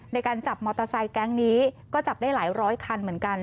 ในการจับมอเตอร์ไซค์แก๊งนี้ก็จับได้หลายร้อยคันเหมือนกัน